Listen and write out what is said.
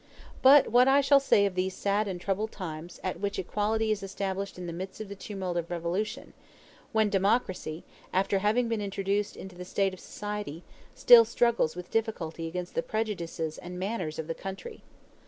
But what shall I say of those sad and troubled times at which equality is established in the midst of the tumult of revolution when democracy, after having been introduced into the state of society, still struggles with difficulty against the prejudices and manners of the country?